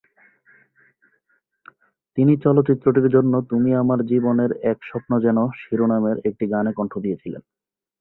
তিনি চলচ্চিত্রটির জন্য "তুমি আমার জীবনের এক স্বপ্ন যেন" শিরোনামের একটি গানে কণ্ঠ দিয়েছিলেন।